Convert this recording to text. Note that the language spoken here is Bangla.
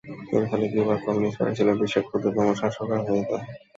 এর ফলে কিউবার কমিউনিস্ট পার্টি ছিল বিশ্বের ক্ষুদ্রতম শাসক রাজনৈতিক দল।